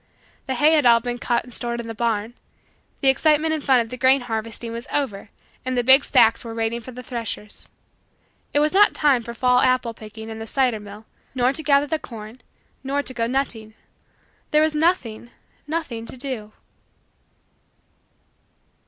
The hay had all been cut and stored away in the barn. The excitement and fun of the grain harvesting was over and the big stacks were waiting the threshers. It was not time for fall apple picking and the cider mill, nor to gather the corn, nor to go nutting. There was nothing, nothing, to do.